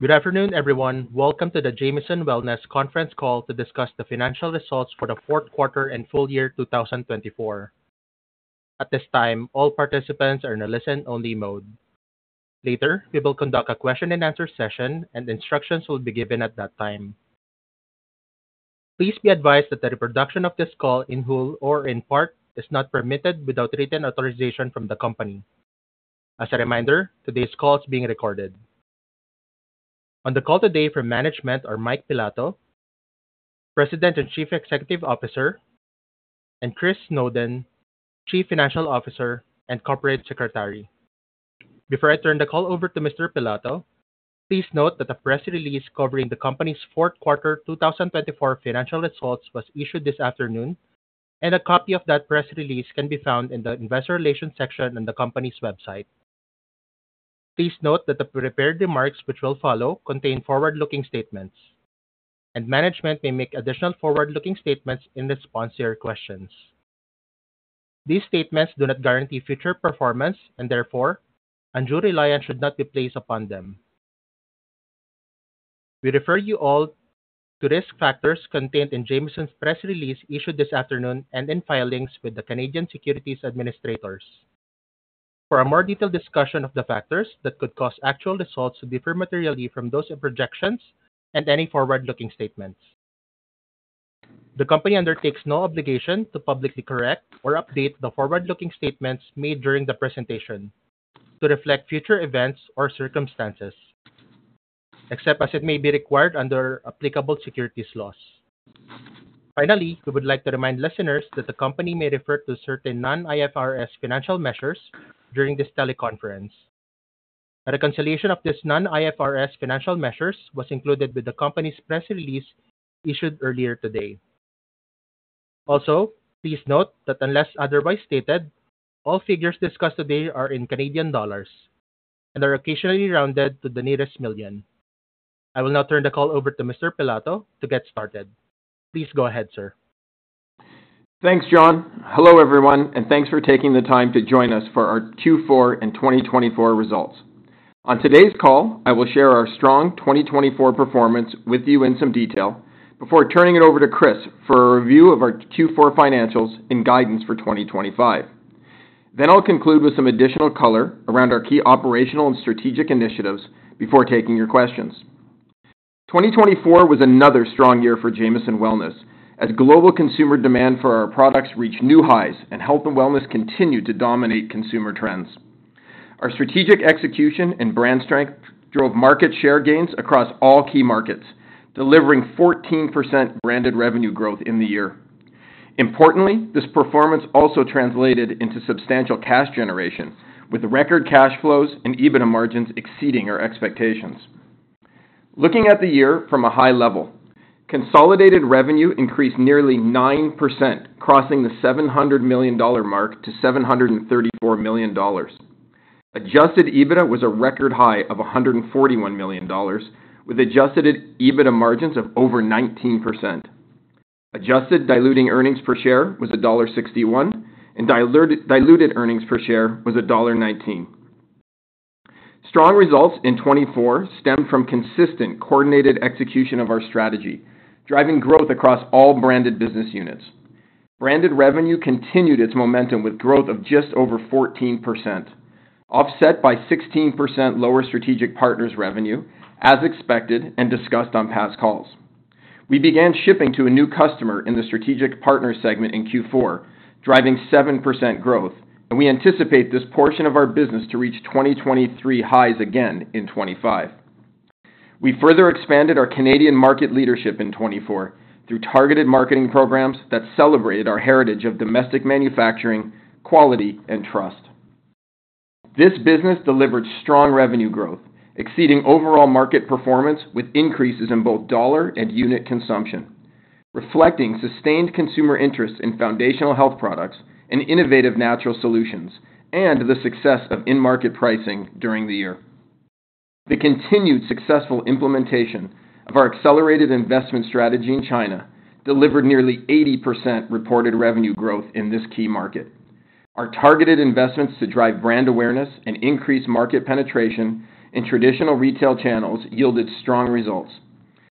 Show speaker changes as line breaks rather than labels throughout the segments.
Good afternoon, everyone. Welcome to the Jamieson Wellness Conference call to discuss the financial results for the fourth quarter and full year 2024. At this time, all participants are in a listen-only mode. Later, we will conduct a question-and-answer session, and instructions will be given at that time. Please be advised that the reproduction of this call in whole or in part is not permitted without written authorization from the company. As a reminder, today's call is being recorded. On the call today from management are Mike Pilato, President and Chief Executive Officer, and Chris Snowden, Chief Financial Officer and Corporate Secretary. Before I turn the call over to Mr. Pilato, please note that a press release covering the company's fourth quarter 2024 financial results was issued this afternoon, and a copy of that press release can be found in the Investor Relations section on the company's website. Please note that the prepared remarks which will follow contain forward-looking statements, and management may make additional forward-looking statements in response to your questions. These statements do not guarantee future performance, and therefore, undue reliance should not be placed upon them. We refer you all to risk factors contained in Jamieson's press release issued this afternoon and in filings with the Canadian Securities Administrators for a more detailed discussion of the factors that could cause actual results to differ materially from those in projections and any forward-looking statements. The company undertakes no obligation to publicly correct or update the forward-looking statements made during the presentation to reflect future events or circumstances, except as it may be required under applicable securities laws. Finally, we would like to remind listeners that the company may refer to certain non-IFRS financial measures during this teleconference. A reconciliation of these non-IFRS financial measures was included with the company's press release issued earlier today. Also, please note that unless otherwise stated, all figures discussed today are in CAD and are occasionally rounded to the nearest million. I will now turn the call over to Mr. Pilato to get started. Please go ahead, sir.
Thanks, John. Hello, everyone, and thanks for taking the time to join us for our Q4 and 2024 results. On today's call, I will share our strong 2024 performance with you in some detail before turning it over to Chris for a review of our Q4 financials and guidance for 2025. I will conclude with some additional color around our key operational and strategic initiatives before taking your questions. 2024 was another strong year for Jamieson Wellness as global consumer demand for our products reached new highs and health and wellness continued to dominate consumer trends. Our strategic execution and brand strength drove market share gains across all key markets, delivering 14% branded revenue growth in the year. Importantly, this performance also translated into substantial cash generation with record cash flows and EBITDA margins exceeding our expectations. Looking at the year from a high level, consolidated revenue increased nearly 9%, crossing the 700 million dollar mark to 734 million dollars. Adjusted EBITDA was a record high of 141 million dollars, with adjusted EBITDA margins of over 19%. Adjusted diluted earnings per share was dollar 1.61, and diluted earnings per share was dollar 1.19. Strong results in 2024 stemmed from consistent, coordinated execution of our strategy, driving growth across all branded business units. Branded revenue continued its momentum with growth of just over 14%, offset by 16% lower strategic partners' revenue, as expected and discussed on past calls. We began shipping to a new customer in the strategic partner segment in Q4, driving 7% growth, and we anticipate this portion of our business to reach 2023 highs again in 2025. We further expanded our Canadian market leadership in 2024 through targeted marketing programs that celebrated our heritage of domestic manufacturing, quality, and trust. This business delivered strong revenue growth, exceeding overall market performance with increases in both dollar and unit consumption, reflecting sustained consumer interest in foundational health products and innovative natural solutions, and the success of in-market pricing during the year. The continued successful implementation of our accelerated investment strategy in China delivered nearly 80% reported revenue growth in this key market. Our targeted investments to drive brand awareness and increase market penetration in traditional retail channels yielded strong results.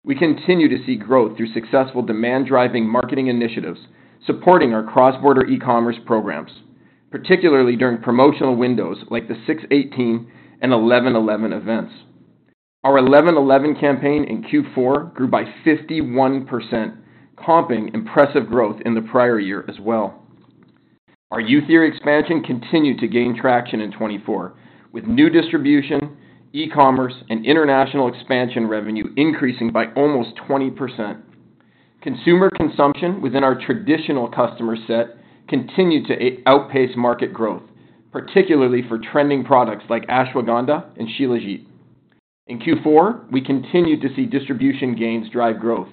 We continue to see growth through successful demand-driving marketing initiatives supporting our cross-border e-commerce programs, particularly during promotional windows like the 6/18 and 11/11 events. Our 11/11 campaign in Q4 grew by 51%, comping impressive growth in the prior year as well. Our Youtheory expansion continued to gain traction in 2024, with new distribution, e-commerce, and international expansion revenue increasing by almost 20%. Consumer consumption within our traditional customer set continued to outpace market growth, particularly for trending products like ashwagandha and shilajit. In Q4, we continued to see distribution gains drive growth,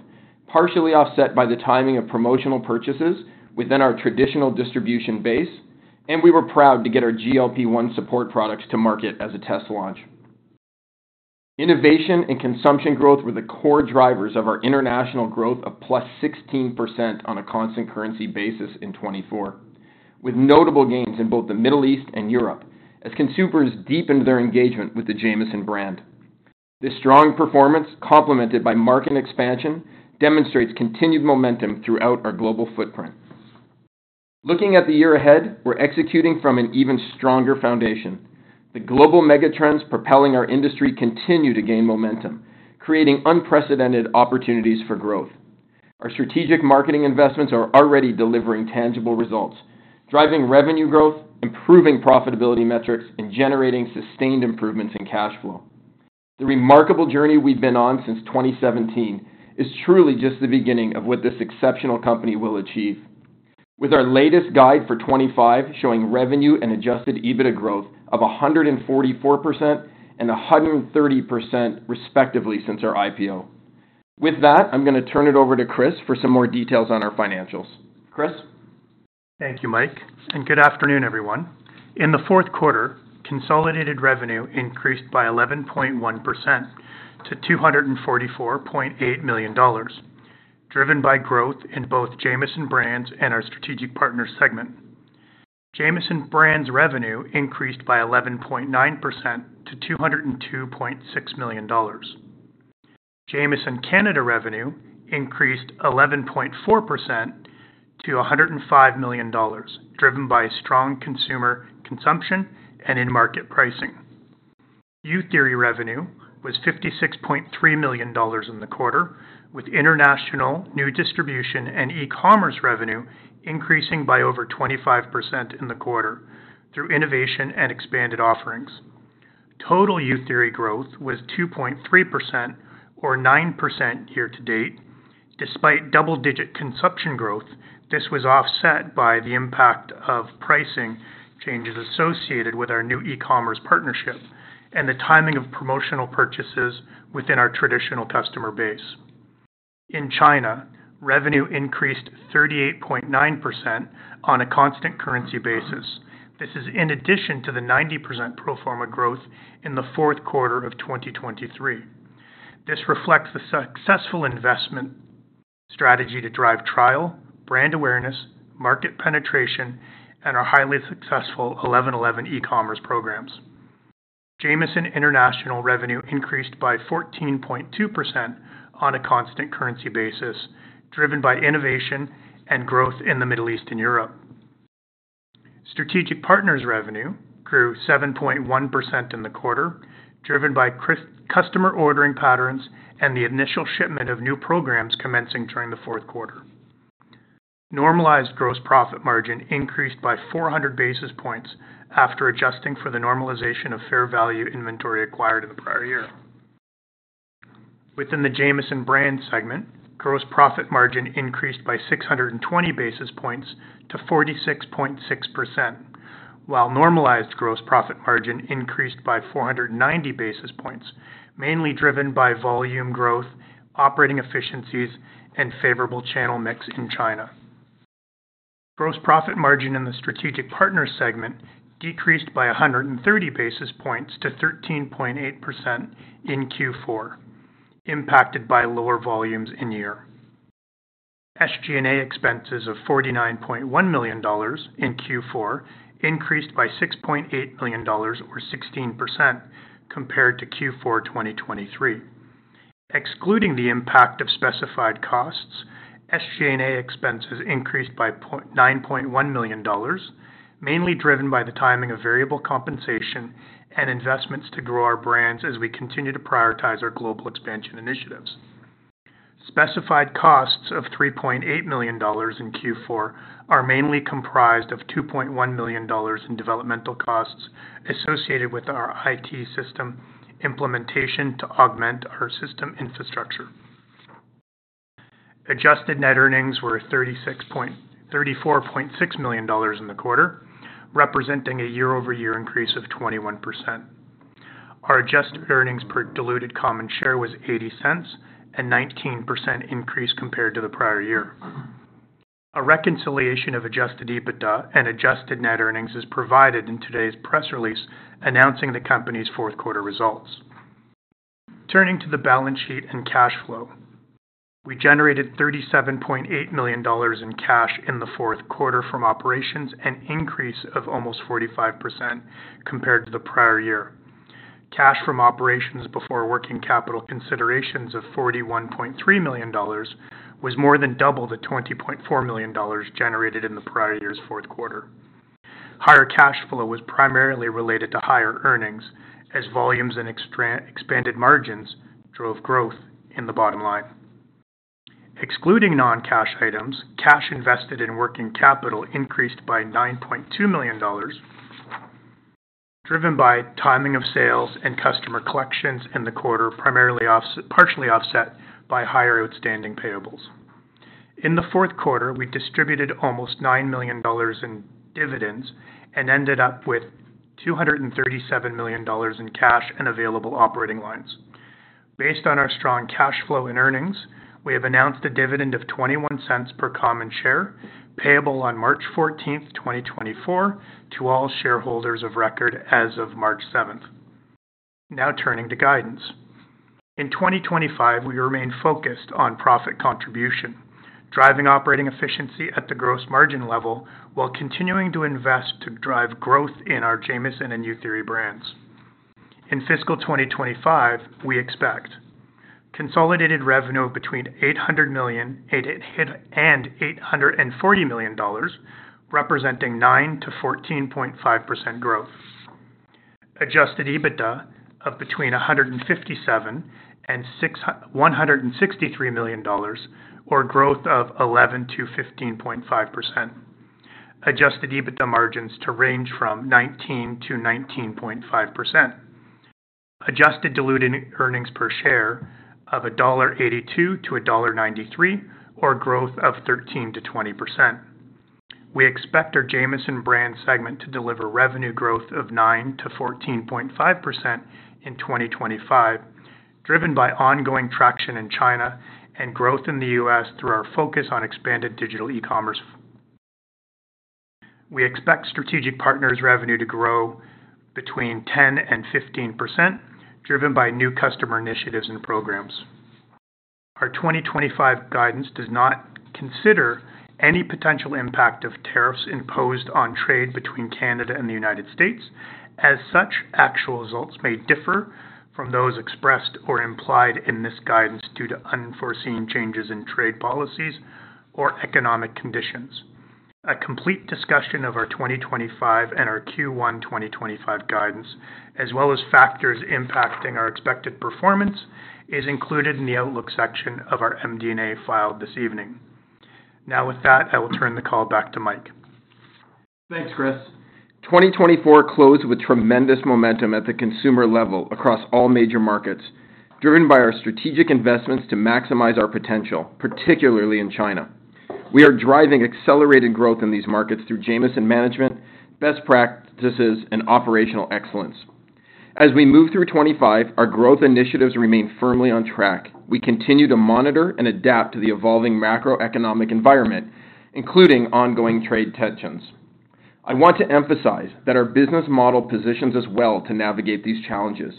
partially offset by the timing of promotional purchases within our traditional distribution base, and we were proud to get our GLP-1 support products to market as a test launch. Innovation and consumption growth were the core drivers of our international growth of plus 16% on a constant currency basis in 2024, with notable gains in both the Middle East and Europe as consumers deepened their engagement with the Jamieson brand. This strong performance, complemented by market expansion, demonstrates continued momentum throughout our global footprint. Looking at the year ahead, we're executing from an even stronger foundation. The global megatrends propelling our industry continue to gain momentum, creating unprecedented opportunities for growth. Our strategic marketing investments are already delivering tangible results, driving revenue growth, improving profitability metrics, and generating sustained improvements in cash flow. The remarkable journey we've been on since 2017 is truly just the beginning of what this exceptional company will achieve, with our latest guide for 2025 showing revenue and adjusted EBITDA growth of 144% and 130%, respectively, since our IPO. With that, I'm going to turn it over to Chris for some more details on our financials. Chris.
Thank you, Mike, and good afternoon, everyone. In the fourth quarter, consolidated revenue increased by 11.1% to 244.8 million dollars, driven by growth in both Jamieson Brands and our strategic partner segment. Jamieson Brands revenue increased by 11.9% to CAD 202.6 million. Jamieson Canada revenue increased 11.4% to 105 million dollars, driven by strong consumer consumption and in-market pricing. Youtheory revenue was 56.3 million dollars in the quarter, with international new distribution and e-commerce revenue increasing by over 25% in the quarter through innovation and expanded offerings. Total Youtheory growth was 2.3%, or 9% year to date. Despite double-digit consumption growth, this was offset by the impact of pricing changes associated with our new e-commerce partnership and the timing of promotional purchases within our traditional customer base. In China, revenue increased 38.9% on a constant currency basis. This is in addition to the 90% proforma growth in the fourth quarter of 2023. This reflects the successful investment strategy to drive trial, brand awareness, market penetration, and our highly successful 11/11 e-commerce programs. Jamieson International revenue increased by 14.2% on a constant currency basis, driven by innovation and growth in the Middle East and Europe. Strategic partners revenue grew 7.1% in the quarter, driven by customer ordering patterns and the initial shipment of new programs commencing during the fourth quarter. Normalized gross profit margin increased by 400 basis points after adjusting for the normalization of fair value inventory acquired in the prior year. Within the Jamieson Brands segment, gross profit margin increased by 620 basis points to 46.6%, while normalized gross profit margin increased by 490 basis points, mainly driven by volume growth, operating efficiencies, and favorable channel mix in China. Gross profit margin in the strategic partner segment decreased by 130 basis points to 13.8% in Q4, impacted by lower volumes in year. SG&A expenses of 49.1 million dollars in Q4 increased by 6.8 million dollars, or 16%, compared to Q4 2023. Excluding the impact of specified costs, SG&A expenses increased by 9.1 million dollars, mainly driven by the timing of variable compensation and investments to grow our brands as we continue to prioritize our global expansion initiatives. Specified costs of 3.8 million dollars in Q4 are mainly comprised of 2.1 million dollars in developmental costs associated with our IT system implementation to augment our system infrastructure. Adjusted net earnings were 34.6 million dollars in the quarter, representing a year-over-year increase of 21%. Our adjusted earnings per diluted common share was 0.80, a 19% increase compared to the prior year. A reconciliation of adjusted EBITDA and adjusted net earnings is provided in today's press release announcing the company's fourth quarter results. Turning to the balance sheet and cash flow, we generated 37.8 million dollars in cash in the fourth quarter from operations, an increase of almost 45% compared to the prior year. Cash from operations before working capital considerations of 41.3 million dollars was more than double the 20.4 million dollars generated in the prior year's fourth quarter. Higher cash flow was primarily related to higher earnings as volumes and expanded margins drove growth in the bottom line. Excluding non-cash items, cash invested in working capital increased by 9.2 million dollars, driven by timing of sales and customer collections in the quarter, primarily partially offset by higher outstanding payables. In the fourth quarter, we distributed almost 9 million dollars in dividends and ended up with 237 million dollars in cash and available operating lines. Based on our strong cash flow and earnings, we have announced a dividend of 0.21 per common share payable on March 14, 2024, to all shareholders of record as of March 7. Now turning to guidance. In 2025, we remain focused on profit contribution, driving operating efficiency at the gross margin level while continuing to invest to drive growth in our Jamieson and Youtheory brands. In fiscal 2025, we expect consolidated revenue between 800 million and 840 million dollars, representing 9%-14.5% growth. Adjusted EBITDA of between 157 million dollars and CAD 163 million, or growth of 11%-15.5%. Adjusted EBITDA margins to range from 19%-19.5%. Adjusted diluted earnings per share of dollar 1.82 to dollar 1.93, or growth of 13%-20%. We expect our Jamieson Brands segment to deliver revenue growth of 9%-14.5% in 2025, driven by ongoing traction in China and growth in the U.S. through our focus on expanded digital e-commerce. We expect strategic partners' revenue to grow between 10% and 15%, driven by new customer initiatives and programs. Our 2025 guidance does not consider any potential impact of tariffs imposed on trade between Canada and the United States, as such actual results may differ from those expressed or implied in this guidance due to unforeseen changes in trade policies or economic conditions. A complete discussion of our 2025 and our Q1 2025 guidance, as well as factors impacting our expected performance, is included in the outlook section of our MD&A file this evening. Now, with that, I will turn the call back to Mike.
Thanks, Chris. 2024 closed with tremendous momentum at the consumer level across all major markets, driven by our strategic investments to maximize our potential, particularly in China. We are driving accelerated growth in these markets through Jamieson management, best practices, and operational excellence. As we move through 2025, our growth initiatives remain firmly on track. We continue to monitor and adapt to the evolving macroeconomic environment, including ongoing trade tensions. I want to emphasize that our business model positions us well to navigate these challenges.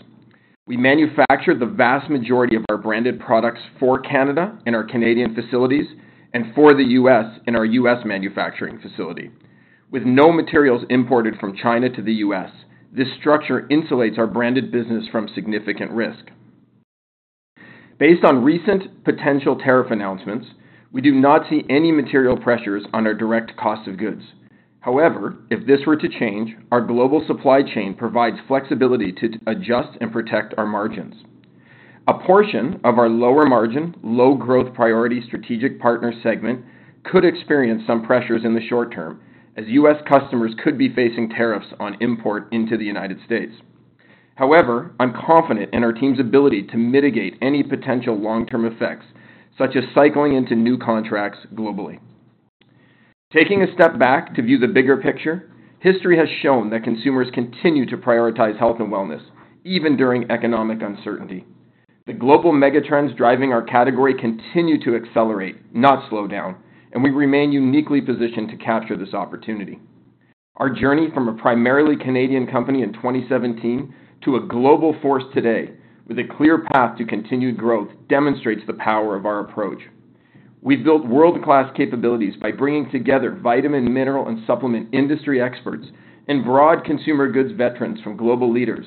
We manufacture the vast majority of our branded products for Canada in our Canadian facilities and for the U.S. in our U.S. manufacturing facility. With no materials imported from China to the U.S., this structure insulates our branded business from significant risk. Based on recent potential tariff announcements, we do not see any material pressures on our direct cost of goods. However, if this were to change, our global supply chain provides flexibility to adjust and protect our margins. A portion of our lower margin, low growth priority strategic partner segment could experience some pressures in the short term, as U.S. customers could be facing tariffs on import into the United States. However, I'm confident in our team's ability to mitigate any potential long-term effects, such as cycling into new contracts globally. Taking a step back to view the bigger picture, history has shown that consumers continue to prioritize health and wellness, even during economic uncertainty. The global megatrends driving our category continue to accelerate, not slow down, and we remain uniquely positioned to capture this opportunity. Our journey from a primarily Canadian company in 2017 to a global force today, with a clear path to continued growth, demonstrates the power of our approach. We've built world-class capabilities by bringing together vitamin, mineral, and supplement industry experts and broad consumer goods veterans from global leaders,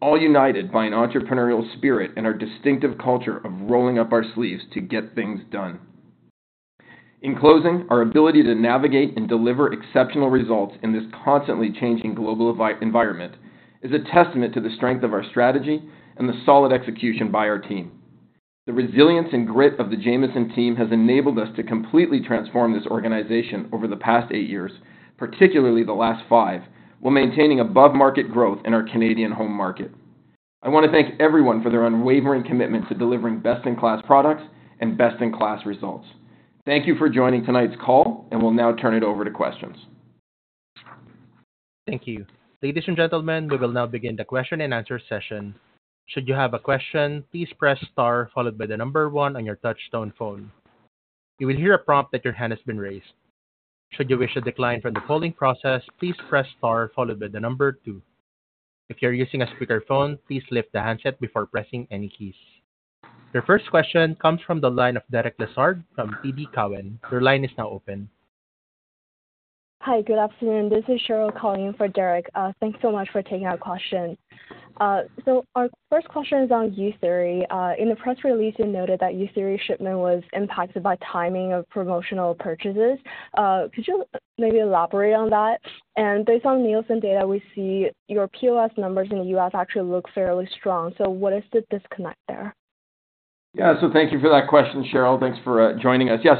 all united by an entrepreneurial spirit and our distinctive culture of rolling up our sleeves to get things done. In closing, our ability to navigate and deliver exceptional results in this constantly changing global environment is a testament to the strength of our strategy and the solid execution by our team. The resilience and grit of the Jamieson team has enabled us to completely transform this organization over the past eight years, particularly the last five, while maintaining above-market growth in our Canadian home market. I want to thank everyone for their unwavering commitment to delivering best-in-class products and best-in-class results. Thank you for joining tonight's call, and we'll now turn it over to questions.
Thank you. Ladies and gentlemen, we will now begin the question-and-answer session. Should you have a question, please press star, followed by the number one on your touch-tone phone. You will hear a prompt that your hand has been raised. Should you wish to decline from the polling process, please press star, followed by the number two. If you're using a speakerphone, please lift the handset before pressing any keys. Your first question comes from the line of Derek Lessard from TD Cowen. Your line is now open.
Hi, good afternoon. This is Cheryl calling in for Derek. Thanks so much for taking our question. Our first question is on Youtheory. In the press release, you noted that Youtheory shipment was impacted by timing of promotional purchases. Could you maybe elaborate on that? Based on Nielsen data, we see your POS numbers in the U.S. actually look fairly strong. What is the disconnect there?
Yeah, thank you for that question, Cheryl. Thanks for joining us. Yeah,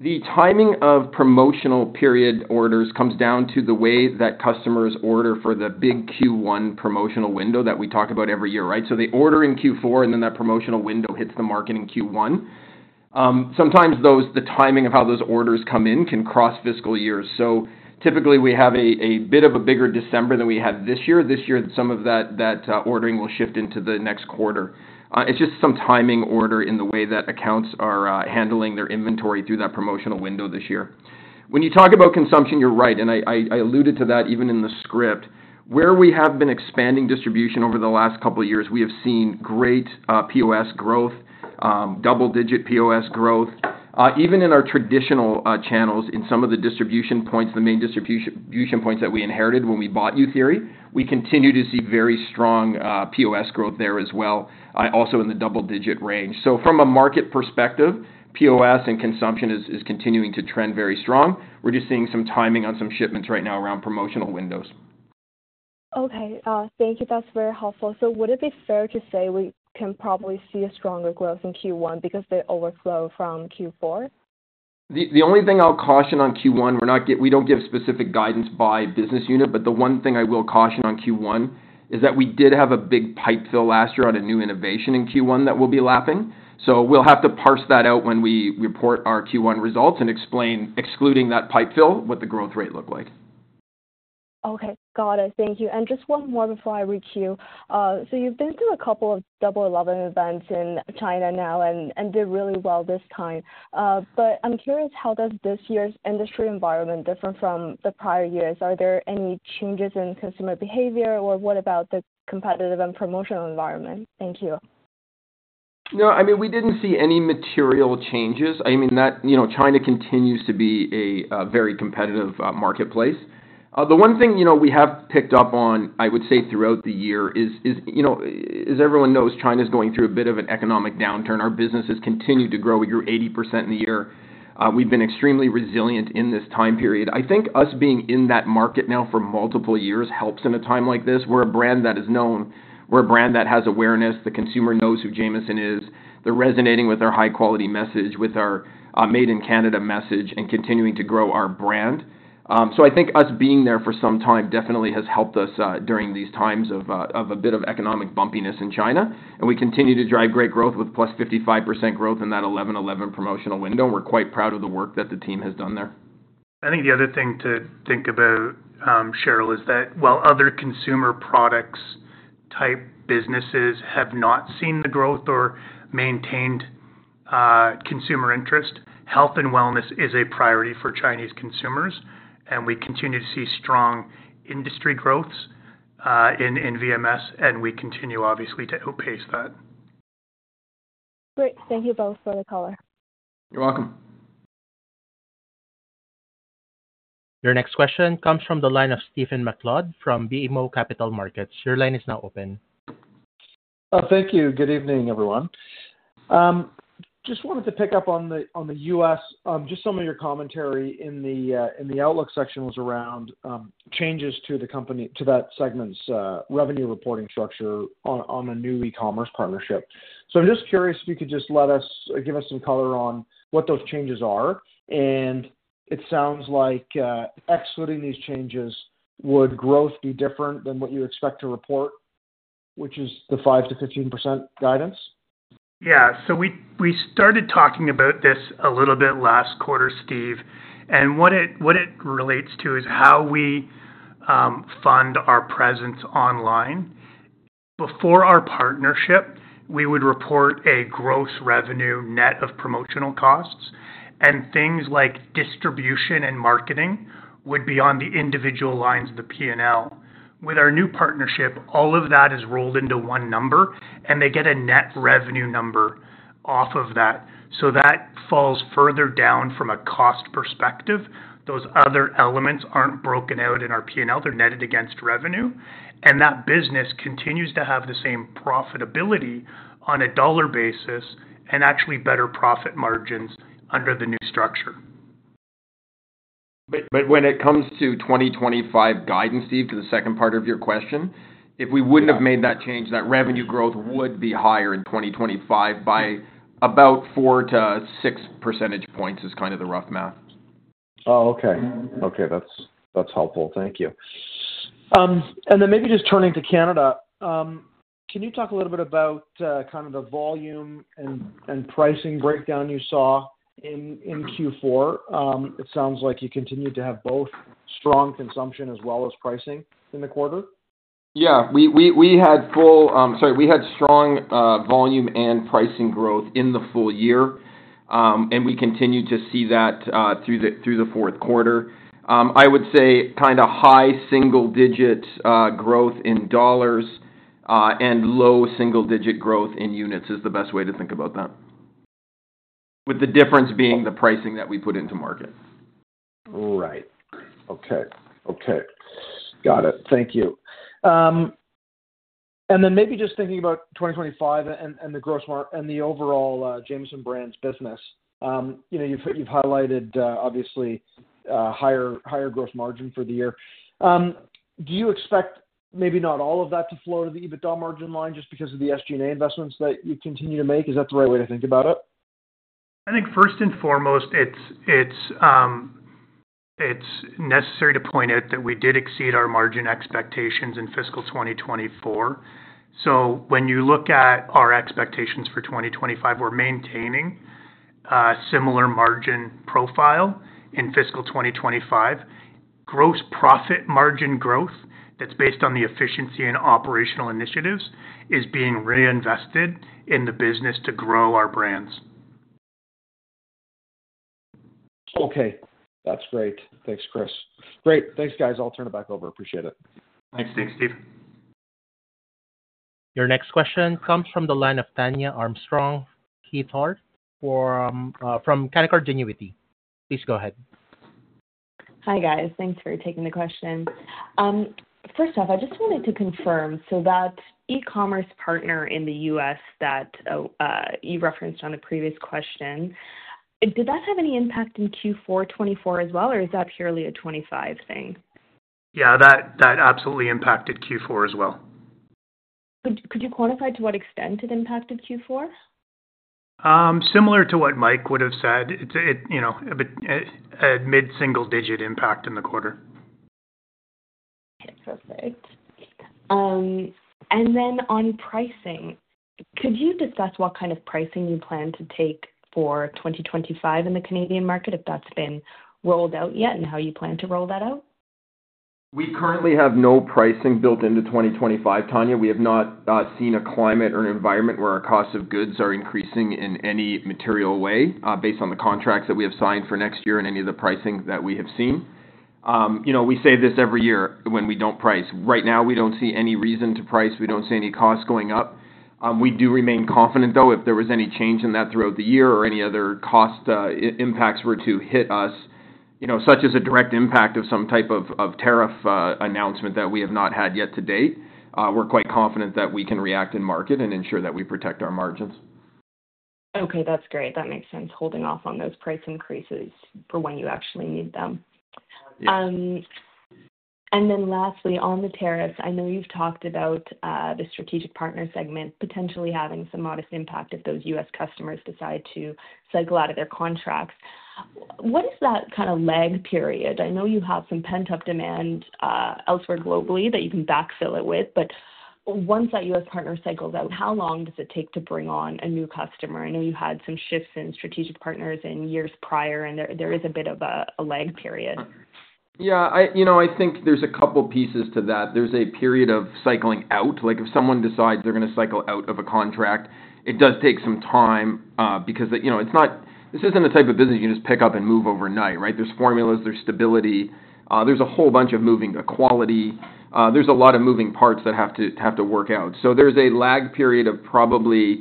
the timing of promotional period orders comes down to the way that customers order for the big Q1 promotional window that we talk about every year, right? They order in Q4, and then that promotional window hits the market in Q1. Sometimes the timing of how those orders come in can cross fiscal years. Typically, we have a bit of a bigger December than we had this year. This year, some of that ordering will shift into the next quarter. It's just some timing order in the way that accounts are handling their inventory through that promotional window this year. When you talk about consumption, you're right, and I alluded to that even in the script. Where we have been expanding distribution over the last couple of years, we have seen great POS growth, double-digit POS growth. Even in our traditional channels, in some of the distribution points, the main distribution points that we inherited when we bought Youtheory, we continue to see very strong POS growth there as well, also in the double-digit range. From a market perspective, POS and consumption is continuing to trend very strong. We're just seeing some timing on some shipments right now around promotional windows.
Thank you. That's very helpful. Would it be fair to say we can probably see a stronger growth in Q1 because of the overflow from Q4?
The only thing I'll caution on Q1, we don't give specific guidance by business unit, but the one thing I will caution on Q1 is that we did have a big pipe fill last year on a new innovation in Q1 that will be lapping. We will have to parse that out when we report our Q1 results and explain, excluding that pipe fill, what the growth rate looked like.
Okay. Got it. Thank you. Just one more before I reach you. You've been through a couple of Double 11 events in China now, and they went really well this time. I'm curious, how does this year's industry environment differ from prior years? Are there any changes in consumer behavior, or what about the competitive and promotional environment? Thank you.
No, I mean, we didn't see any material changes. I mean, China continues to be a very competitive marketplace. The one thing we have picked up on, I would say throughout the year is, as everyone knows, China is going through a bit of an economic downturn. Our business has continued to grow at year 80% in the year. We've been extremely resilient in this time period. I think us being in that market now for multiple years helps in a time like this. We're a brand that is known. We're a brand that has awareness. The consumer knows who Jamieson is. They're resonating with our high-quality message, with our made-in-Canada message, and continuing to grow our brand. I think us being there for some time definitely has helped us during these times of a bit of economic bumpiness in China. We continue to drive great growth with plus 55% growth in that 11/11 promotional window. We're quite proud of the work that the team has done there.
I think the other thing to think about, Cheryl, is that while other consumer products-type businesses have not seen the growth or maintained consumer interest, health and wellness is a priority for Chinese consumers. We continue to see strong industry growths in VMS, and we continue, obviously, to outpace that.
Great. Thank you both for the color.
You're welcome.
Your next question comes from the line of Stephen MacLeod from BMO Capital Markets. Your line is now open.
Thank you. Good evening, everyone. Just wanted to pick up on the U.S. Just some of your commentary in the outlook section was around changes to that segment's revenue reporting structure on a new e-commerce partnership. I am just curious if you could just give us some color on what those changes are. It sounds like excluding these changes, would growth be different than what you expect to report, which is the 5%-15% guidance?
Yeah. We started talking about this a little bit last quarter, Steve. What it relates to is how we fund our presence online. Before our partnership, we would report a gross revenue net of promotional costs. Things like distribution and marketing would be on the individual lines of the P&L. With our new partnership, all of that is rolled into one number, and they get a net revenue number off of that. That falls further down from a cost perspective. Those other elements are not broken out in our P&L. They are netted against revenue. That business continues to have the same profitability on a dollar basis and actually better profit margins under the new structure.
When it comes to 2025 guidance, Steve, to the second part of your question, if we would not have made that change, that revenue growth would be higher in 2025 by about 4%-6% points is kind of the rough math.
Oh, okay. Okay. That's helpful. Thank you. Maybe just turning to Canada, can you talk a little bit about kind of the volume and pricing breakdown you saw in Q4? It sounds like you continued to have both strong consumption as well as pricing in the quarter.
Yeah. We had strong volume and pricing growth in the full year. We continued to see that through the fourth quarter. I would say kind of high single-digit growth in dollars and low single-digit growth in units is the best way to think about that, with the difference being the pricing that we put into market.
Right. Okay. Okay. Got it. Thank you. Maybe just thinking about 2025 and the overall Jamieson Brands business, you've highlighted, obviously, higher gross margin for the year. Do you expect maybe not all of that to flow to the EBITDA margin line just because of the SG&A investments that you continue to make? Is that the right way to think about it?
I think first and foremost, it's necessary to point out that we did exceed our margin expectations in fiscal 2024. When you look at our expectations for 2025, we're maintaining a similar margin profile in fiscal 2025. Gross profit margin growth that's based on the efficiency and operational initiatives is being reinvested in the business to grow our brands.
Okay. That's great. Thanks, Chris. Great. Thanks, guys. I'll turn it back over. Appreciate it.
Thanks. Thanks, Steve.
Your next question comes from the line of Tania Armstrong-Whitworth from Canaccord Genuity. Please go ahead.
Hi, guys. Thanks for taking the question. First off, I just wanted to confirm, so that e-commerce partner in the U.S. that you referenced on the previous question, did that have any impact in Q4 2024 as well, or is that purely a 2025 thing?
Yeah, that absolutely impacted Q4 as well.
Could you quantify to what extent it impacted Q4?
Similar to what Mike would have said, a mid-single-digit impact in the quarter.
Okay. Perfect. Could you discuss what kind of pricing you plan to take for 2025 in the Canadian market, if that's been rolled out yet, and how you plan to roll that out?
We currently have no pricing built into 2025, Tania. We have not seen a climate or an environment where our costs of goods are increasing in any material way based on the contracts that we have signed for next year and any of the pricing that we have seen. We say this every year when we do not price. Right now, we do not see any reason to price. We do not see any costs going up. We do remain confident, though, if there was any change in that throughout the year or any other cost impacts were to hit us, such as a direct impact of some type of tariff announcement that we have not had yet to date, we are quite confident that we can react in market and ensure that we protect our margins.
Okay. That is great. That makes sense, holding off on those price increases for when you actually need them. Lastly, on the tariffs, I know you have talked about the strategic partner segment potentially having some modest impact if those U.S. customers decide to cycle out of their contracts. What is that kind of lag period? I know you have some pent-up demand elsewhere globally that you can backfill it with. Once that U.S. partner cycles out, how long does it take to bring on a new customer? I know you had some shifts in strategic partners in years prior, and there is a bit of a lag period.
Yeah. I think there's a couple of pieces to that. There's a period of cycling out. If someone decides they're going to cycle out of a contract, it does take some time because it's not—this isn't the type of business you just pick up and move overnight, right? There's formulas. There's stability. There's a whole bunch of moving quality. There's a lot of moving parts that have to work out. There is a lag period of probably,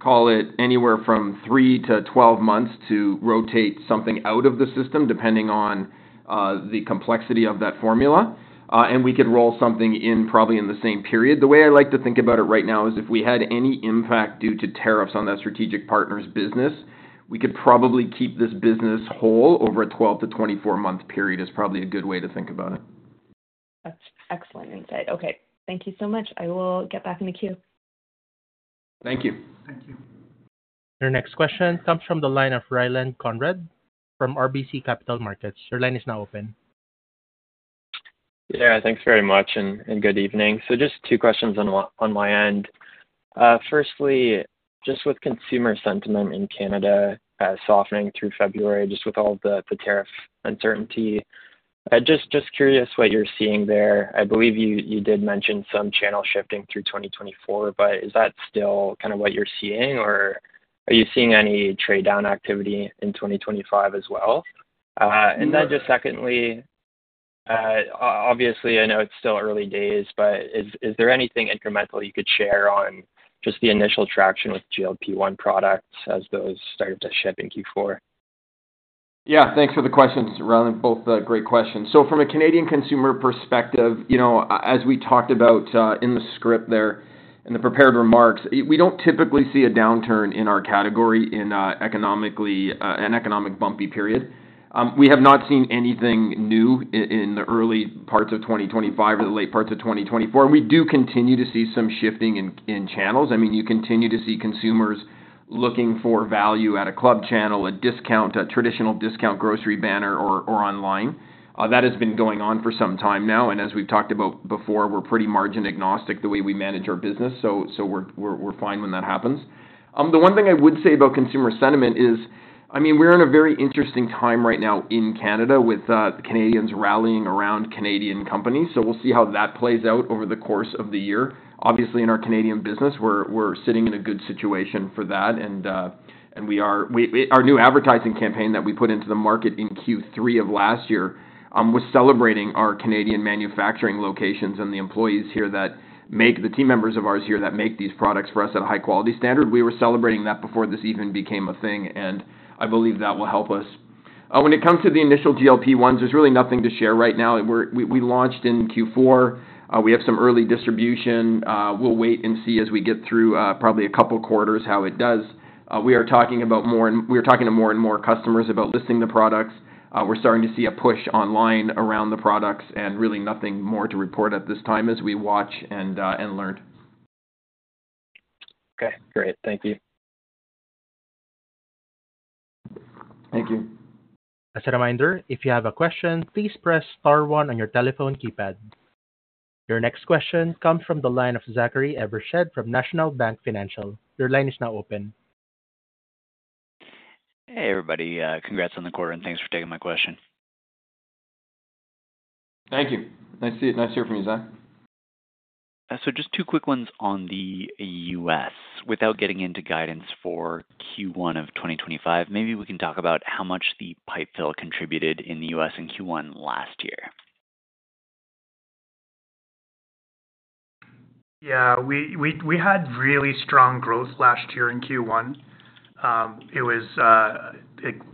call it anywhere from 3-12 months to rotate something out of the system, depending on the complexity of that formula. We could roll something in probably in the same period. The way I like to think about it right now is if we had any impact due to tariffs on that strategic partner's business, we could probably keep this business whole over a 12-24 month period is probably a good way to think about it.
That's excellent insight. Okay. Thank you so much. I will get back in the queue.
Thank you.
Thank you.
Your next question comes from the line of Ryland Conrad from RBC Capital Markets. Your line is now open.
Yeah. Thanks very much. Good evening. Just two questions on my end. Firstly, just with consumer sentiment in Canada softening through February, with all the tariff uncertainty, just curious what you're seeing there. I believe you did mention some channel shifting through 2024, but is that still kind of what you're seeing, or are you seeing any trade-down activity in 2025 as well? Secondly, obviously, I know it's still early days, but is there anything incremental you could share on just the initial traction with GLP-1 products as those started to shift in Q4?
Yeah. Thanks for the questions, Ryland. Both great questions. From a Canadian consumer perspective, as we talked about in the script there in the prepared remarks, we do not typically see a downturn in our category in an economically bumpy period. We have not seen anything new in the early parts of 2025 or the late parts of 2024. We do continue to see some shifting in channels. I mean, you continue to see consumers looking for value at a club channel, a traditional discount grocery banner, or online. That has been going on for some time now. As we have talked about before, we are pretty margin-agnostic the way we manage our business. We are fine when that happens. The one thing I would say about consumer sentiment is, I mean, we are in a very interesting time right now in Canada with Canadians rallying around Canadian companies. We will see how that plays out over the course of the year. Obviously, in our Canadian business, we are sitting in a good situation for that. Our new advertising campaign that we put into the market in Q3 of last year was celebrating our Canadian manufacturing locations and the employees here that make the team members of ours here that make these products for us at a high-quality standard. We were celebrating that before this even became a thing. I believe that will help us. When it comes to the initial GLP-1s, there is really nothing to share right now. We launched in Q4. We have some early distribution. We will wait and see as we get through probably a couple of quarters how it does. We are talking about more and we are talking to more and more customers about listing the products. We're starting to see a push online around the products and really nothing more to report at this time as we watch and learn.
Okay. Great. Thank you.
Thank you.
As a reminder, if you have a question, please press star one on your telephone keypad. Your next question comes from the line of Zachary Evershed from National Bank Financial. Your line is now open.
Hey, everybody. Congrats on the quarter. Thanks for taking my question.
Thank you. Nice to hear from you, Zach.
Just two quick ones on the U.S. Without getting into guidance for Q1 of 2025, maybe we can talk about how much the pipe fill contributed in the U.S. in Q1 last year.
Yeah. We had really strong growth last year in Q1. It was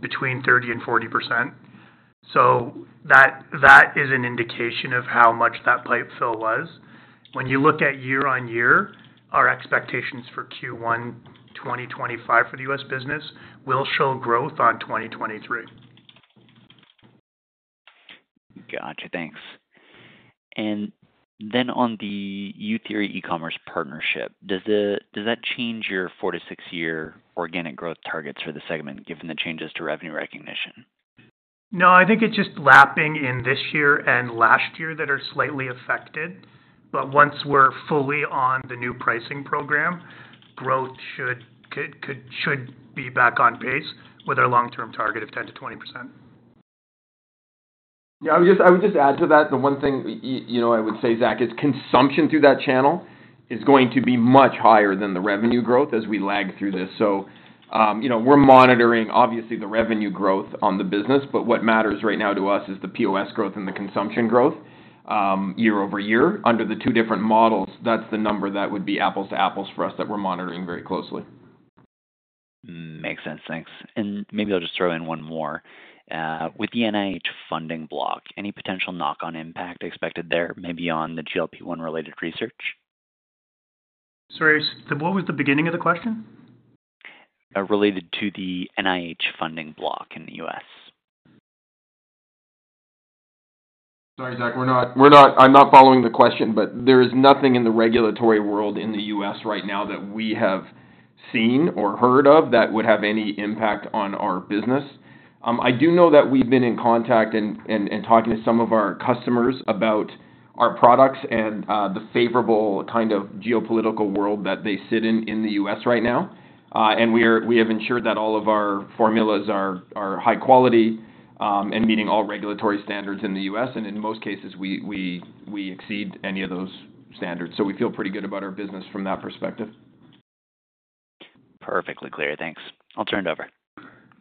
between 30% and 40%. That is an indication of how much that pipe fill was. When you look at year-on-year, our expectations for Q1 2025 for the U.S. business will show growth on 2023.
Gotcha. Thanks. On the Youtheory e-commerce partnership, does that change your four- to six-year organic growth targets for the segment given the changes to revenue recognition?
No, I think it's just lapping in this year and last year that are slightly affected. Once we're fully on the new pricing program, growth should be back on pace with our long-term target of 10-20%.
Yeah. I would just add to that. The one thing I would say, Zach, is consumption through that channel is going to be much higher than the revenue growth as we lag through this. We are monitoring, obviously, the revenue growth on the business. What matters right now to us is the POS growth and the consumption growth year over year. Under the two different models, that is the number that would be apples to apples for us that we are monitoring very closely.
Makes sense. Thanks. Maybe I'll just throw in one more. With the NIH funding block, any potential knock-on impact expected there maybe on the GLP-1-related research?
Sorry. What was the beginning of the question?
Related to the NIH funding block in the U.S.?
Sorry, Zach. I'm not following the question, but there is nothing in the regulatory world in the U.S. right now that we have seen or heard of that would have any impact on our business. I do know that we've been in contact and talking to some of our customers about our products and the favorable kind of geopolitical world that they sit in in the U.S. right now. We have ensured that all of our formulas are high quality and meeting all regulatory standards in the U.S. In most cases, we exceed any of those standards. We feel pretty good about our business from that perspective.
Perfectly clear. Thanks. I'll turn it over.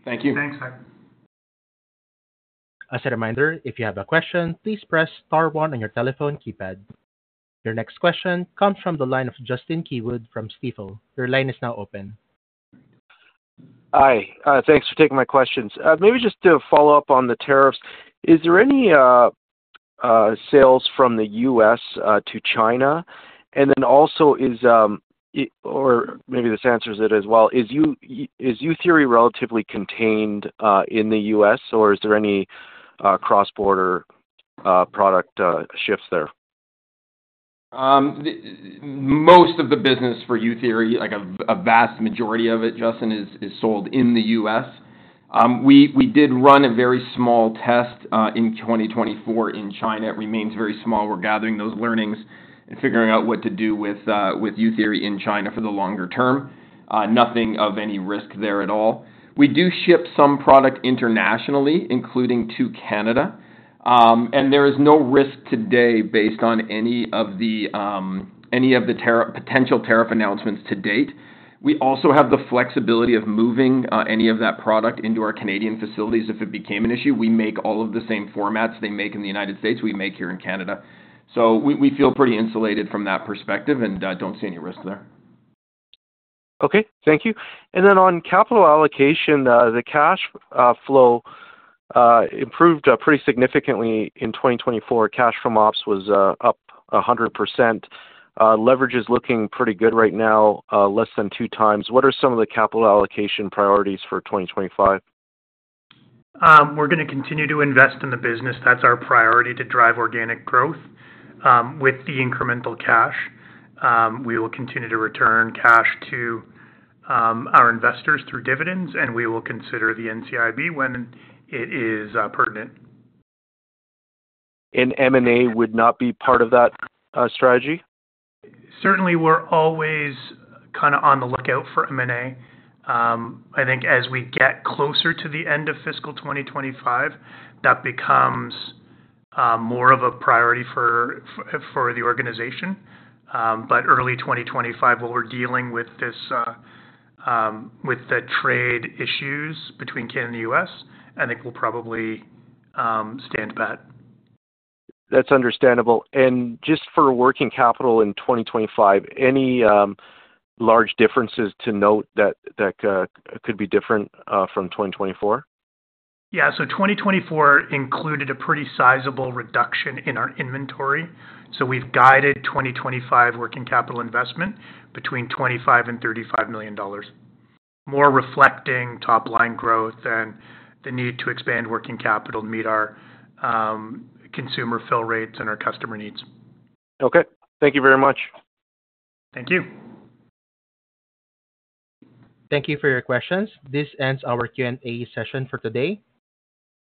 Thank you.
Thanks, Zach.
As a reminder, if you have a question, please press star one on your telephone keypad. Your next question comes from the line of Justin Keywood from Stifel. Your line is now open.
Hi. Thanks for taking my questions. Maybe just to follow up on the tariffs, is there any sales from the U.S. to China? Also, or maybe this answers it as well, is Youtheory relatively contained in the U.S., or is there any cross-border product shifts there?
Most of the business for Youtheory, like a vast majority of it, Justin, is sold in the U.S. We did run a very small test in 2024 in China. It remains very small. We are gathering those learnings and figuring out what to do with Youtheory in China for the longer term. Nothing of any risk there at all. We do ship some product internationally, including to Canada. There is no risk today based on any of the potential tariff announcements to date. We also have the flexibility of moving any of that product into our Canadian facilities if it became an issue. We make all of the same formats they make in the United States. We make here in Canada. We feel pretty insulated from that perspective and do not see any risk there.
Okay. Thank you. Then on capital allocation, the cash flow improved pretty significantly in 2024. Cash from ops was up 100%. Leverage is looking pretty good right now, less than two times. What are some of the capital allocation priorities for 2025?
We're going to continue to invest in the business. That's our priority to drive organic growth with the incremental cash. We will continue to return cash to our investors through dividends, and we will consider the NCIB when it is pertinent.
M&A would not be part of that strategy?
Certainly, we're always kind of on the lookout for M&A. I think as we get closer to the end of fiscal 2025, that becomes more of a priority for the organization. Early 2025, while we're dealing with the trade issues between Canada and the U.S., I think we'll probably stand pat.
That's understandable. Just for working capital in 2025, any large differences to note that could be different from 2024?
Yeah. 2024 included a pretty sizable reduction in our inventory. We have guided 2025 working capital investment between 25 million-35 million dollars, more reflecting top-line growth and the need to expand working capital to meet our consumer fill rates and our customer needs.
Okay. Thank you very much.
Thank you.
Thank you for your questions. This ends our Q&A session for today.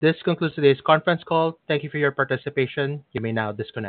This concludes today's conference call. Thank you for your participation. You may now disconnect.